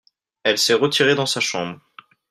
elle s'est retirée dans sa chambre.